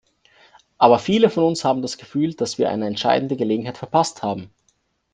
Aber viele von uns haben das Gefühl, dass wir eine entscheidende Gelegenheit verpasst haben.